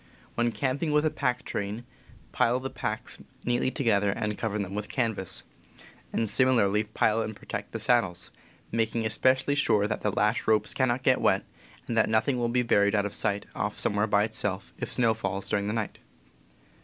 When camping v/ith a pack train, pile the packs 78 CAMPING AND WOODCRAFT neatly together and cover them with canvas, and simi larly pile and protect the saddles, making especially sure that the lash ropes cannot get wet, and that noth ing will be buried out of sight, off somew^here by itself, if snow falls during the night.